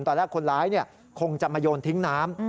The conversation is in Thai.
ตอนแรกคนร้ายคงจะมาโยนทิ้งน้ำ